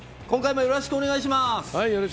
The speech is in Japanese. よろしくお願いします。